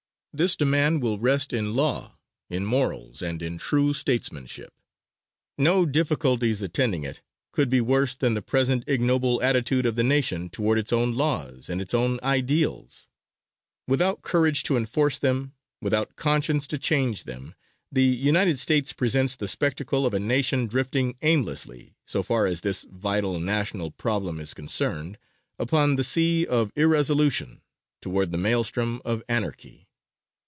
This demand will rest in law, in morals and in true statesmanship; no difficulties attending it could be worse than the present ignoble attitude of the Nation toward its own laws and its own ideals without courage to enforce them, without conscience to change them, the United States presents the spectacle of a Nation drifting aimlessly, so far as this vital, National problem is concerned, upon the sea of irresolution, toward the maelstrom of anarchy.